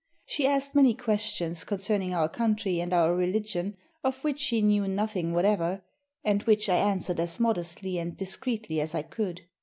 She asked many questions concern ing our country and our religion, of which she knew noth ing whatever, and which I answered as modestly and discreetly as I could.